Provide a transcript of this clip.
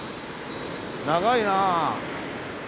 長いな。